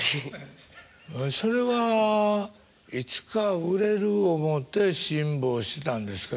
それはいつか売れる思うて辛抱したんですか？